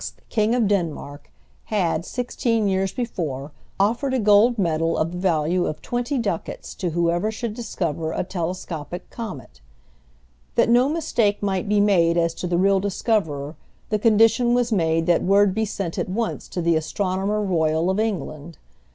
King of Denmark, had, sixteen years before, offered a gold medal of the value of twenty ducats to whoever should discover a telescopic comet. That no mistake might be made as to the real discoverer, the condition was made that word be sent at once to the Astronomer Royal of England.